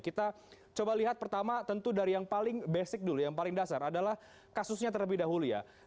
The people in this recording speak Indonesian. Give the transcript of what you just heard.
kita coba lihat pertama tentu dari yang paling basic dulu yang paling dasar adalah kasusnya terlebih dahulu ya